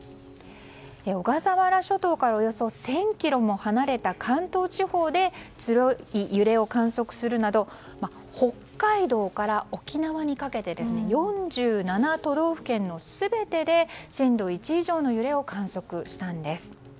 小笠原諸島からおよそ１０００ｋｍも離れた関東地方で強い揺れを観測するなど北海道から沖縄にかけて４７都道府県の全てで震度１以上の揺れを観測したんです。